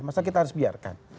masalah kita harus biarkan